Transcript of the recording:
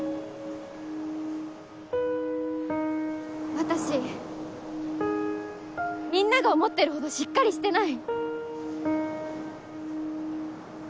私みんなが思ってるほどしっかりしてない。